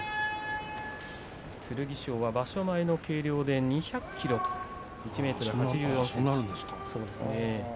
剣翔は場所前の計量で２００ｋｇということでした。